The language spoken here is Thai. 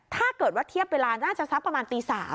ถ้าเกิดว่าเทียบเวลาน่าจะซับประมาณตี๓